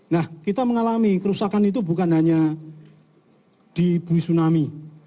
nah kita mengalami kerusakan itu bukan hanya di bui tsunami